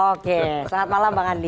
oke selamat malam bang andi